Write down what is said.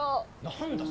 何だ